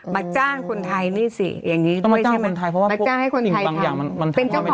มาจ้างคนไทยนี่สิอย่างนี้ด้วยใช่ไหมมาจ้างคนไทยเพราะว่าพวกสิ่งบางอย่างมันทำมาเป็นคนโรงงาน